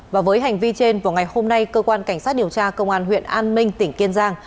và với hành vi trên vào ngày hôm nay cơ quan cảnh sát điều tra công an huyện an minh tỉnh kiên giang